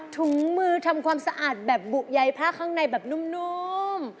ถุงมือทำความสะอาดแบบบุใยผ้าข้างในแบบนุ่ม